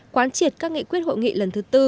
quán triệt các nghị quyết hội nghị lần thứ tư